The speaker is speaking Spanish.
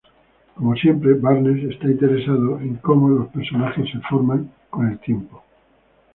Como siempre, Barnes está interesado en cómo los personajes son formados con el tiempo.